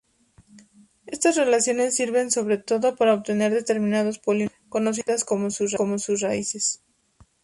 Estas relaciones sirven sobre todo para obtener determinados polinomios conocidas sus raíces.